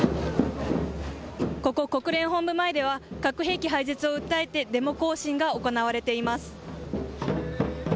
ここ国連本部前では核兵器廃絶を訴えてデモ行進が行われています。